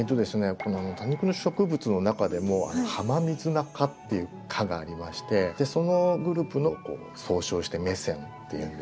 この多肉植物の中でもハマミズナ科っていう科がありましてそのグループを総称してメセンっていうんですね。